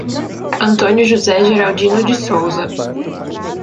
Antônio José Geraldino de Souza